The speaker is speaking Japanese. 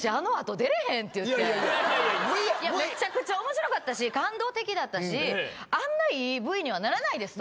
めちゃくちゃ面白かったし感動的だったしあんないいＶにはならないと。